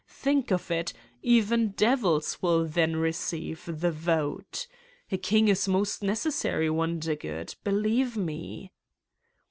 Think of it: even devils will then receive the vote. A King is most necessary, Wondergood. Believe me."